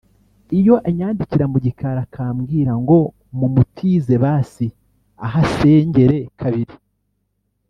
iyo anyandikira mu gikari akambwira ngo mumutize basi ahasengere kabiri